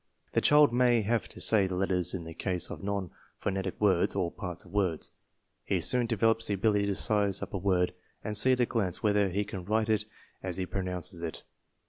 The child may have to say the letters in the case of non phonetic words or parts of words. He soon develops the ability to size up a word and see at a glance whether he can write it as he pronounces it.